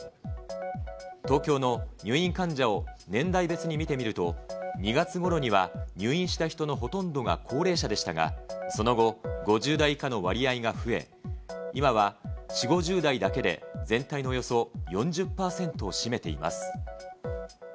東京の入院患者を年代別に見てみると、２月ごろには入院した人のほとんどが高齢者でしたが、その後、５０代以下の割合が増え、今は４、５０代だけで全体のおよそ４０％を占めています。